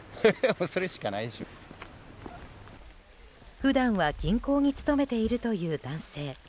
普段は銀行に勤めているという男性。